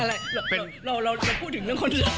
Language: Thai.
อะไรเราพูดถึงเรื่องคนอื่น